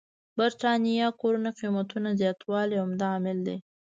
برېتانيا کورونو قېمتونو زياتوالی عمده عامل دی.